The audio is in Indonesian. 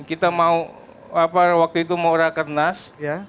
kita mau waktu itu mau rakernas